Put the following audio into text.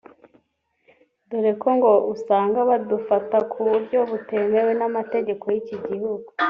dore ko ngo usanga babufata ku buryo butemewe n’amategeko y’iki gihugu